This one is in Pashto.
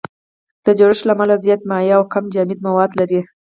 د جوړښت له امله زیات مایع او کم جامد مواد لري.